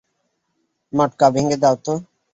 মটকা ভেঙ্গে দাও তো।